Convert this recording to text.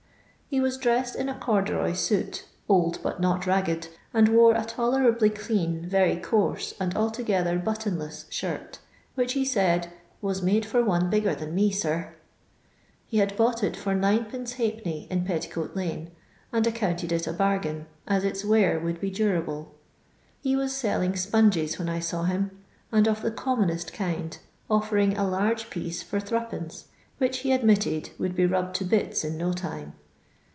He was dressed in a corduroy suit, old but not ragged, and wore a tolerably clean, very coarse, and altogether button less shirt, which he said " was made for one bigger than me, sir." He had bought it for 9^d, in Petti coat Une, and accounted it a bargain, as its wear would be dunble. He was selling sponges when I saw him, and of the commonest kind, offering a large piece for Sc/., which (he admitted) would be rubbed to bits in no time.